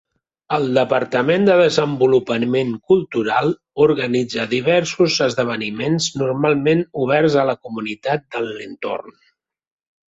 El Departament de Desenvolupament Cultural organitza diversos esdeveniments, normalment oberts a la comunitat de l'entorn.